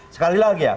sekali lagi ya